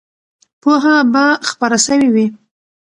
پوهه به خپره سوې وي.